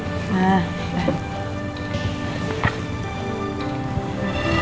tuh udah disiapin